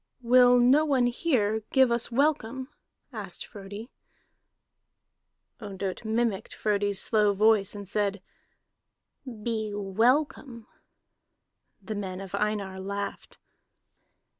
"Will no one here give us welcome?" asked Frodi. Ondott mimicked Frodi's slow voice, and said: "Be welcome." The men of Einar laughed.